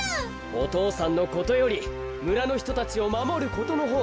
お父さんのことよりむらのひとたちをまもることのほうがだいじだ。